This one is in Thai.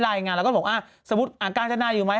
ก็ให้ไลน์งานแล้วก็บอกสมมุติกาญจนาอยู่ไหม